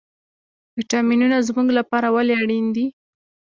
ویټامینونه زموږ لپاره ولې اړین دي